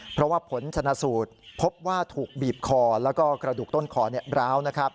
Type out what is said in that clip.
เพราะว่าผลชนสูตรพบว่าถูกบีบคอและกระดูกต้นคอร้าว